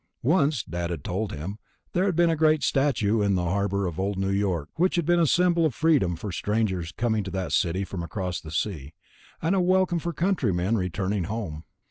Once, Dad had told him, there had been a great statue in the harbor of Old New York which had been a symbol of freedom for strangers coming to that city from across the sea, and a welcome for countrymen returning home.